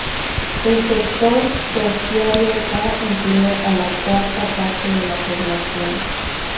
El sector terciario da empleo a la cuarta parte de la población.